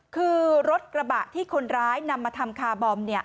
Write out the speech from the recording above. คือรถกระบะที่คนร้ายนำมาทำคาร์บอม